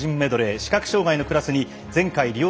視覚障がいのクラスに前回リオ